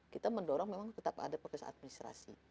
kita mendorong memang tetap ada proses administrasi